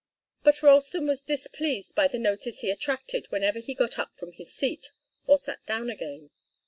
But Ralston was displeased by the notice he attracted whenever he got up from his seat or sat down again.